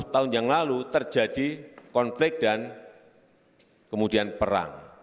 sepuluh tahun yang lalu terjadi konflik dan kemudian perang